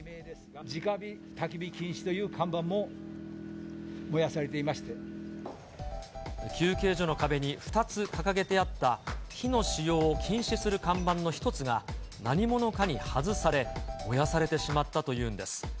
じか火・たき火禁止という看休憩所の壁に２つ掲げてあった、火の使用を禁止する看板の１つが、何者かに外され、燃やされてしまったというんです。